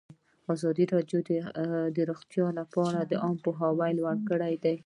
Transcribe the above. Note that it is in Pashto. ازادي راډیو د روغتیا لپاره عامه پوهاوي لوړ کړی.